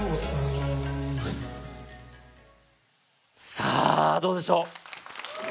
さぁどうでしょう？